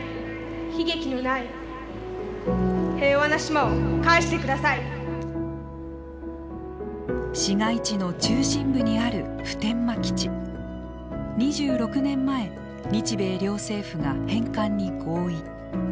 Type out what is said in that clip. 市街地の中心部にある２６年前日米両政府が返還に合意。